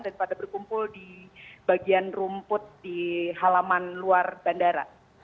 dan pada berkumpul di bagian rumput di halaman luar bandara